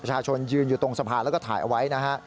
ยืนอยู่ตรงสะพานแล้วก็ถ่ายเอาไว้นะฮะ